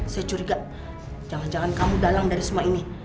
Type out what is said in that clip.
saya curiga jangan jangan kamu dalang dari semua ini